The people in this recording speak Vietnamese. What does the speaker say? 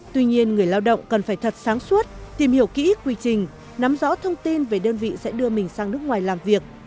tuy nhiên người lao động cần phải thật sáng suốt tìm hiểu kỹ quy trình nắm rõ thông tin về đơn vị sẽ đưa mình sang nước ngoài làm việc